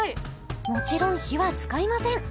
もちろん火は使いません